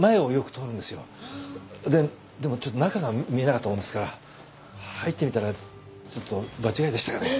でもちょっと中が見えなかったもんですから入ってみたらちょっと場違いでしたかね。